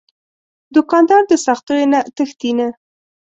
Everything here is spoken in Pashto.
دوکاندار د سختیو نه تښتي نه.